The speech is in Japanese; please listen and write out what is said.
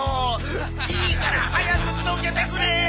いいから早くどけてくれ！